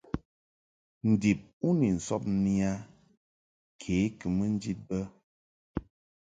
Ndib u ni sɔbni a ke kɨ mɨ njid bə.